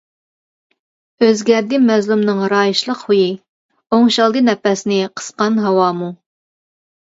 ئۆزگەردى مەزلۇمنىڭ رايىشلىق خۇيى، ئوڭشالدى نەپەسنى قىسقان ھاۋامۇ.